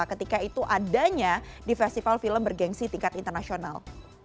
ketika itu adanya di festival film bergensi tingkat internasional